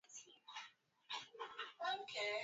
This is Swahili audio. kikubwa gharama za kuzitekelezaMambo makuu